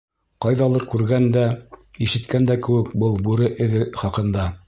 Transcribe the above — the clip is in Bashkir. Ҡайҙалыр күргән дә, ишеткән дә кеүек был бүре эҙе хаҡында.